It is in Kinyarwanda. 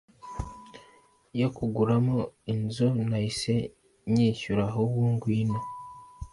yo kuguramo inzu nahise nyishyura ahubwo gwino